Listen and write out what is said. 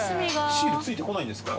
シール付いてこないんですか？